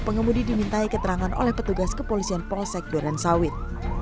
pembudi diminta iket rangan oleh petugas kepolisian prosek duren sawit